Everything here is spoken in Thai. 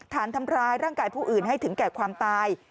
ฐานทำร้ายร่างกายผู้อื่นให้ถึงแก่ความตาย